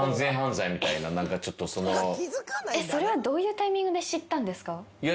それはどういうタイミングで知ったんですか？